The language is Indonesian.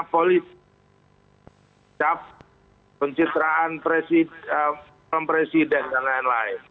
politik cap pencitraan presiden dan lain lain